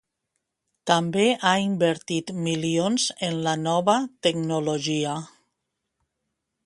També ha invertit milions en la nova tecnologia.